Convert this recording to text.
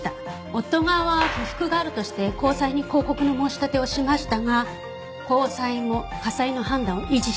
夫側は「不服がある」として高裁に抗告の申し立てをしましたが高裁も家裁の判断を維持したんです。